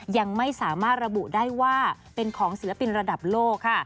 ยังไม่สามารถระบุได้ว่าเป็นของศิลปินระดับโลกค่ะ